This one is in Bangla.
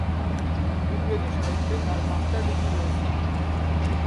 ইংরেজি সাহিত্যে তার মাস্টার ডিগ্রি রয়েছে।